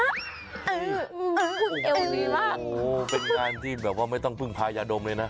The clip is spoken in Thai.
คุณเอวดีมากเป็นการที่แบบว่าไม่ต้องพึ่งพายาดมเลยนะ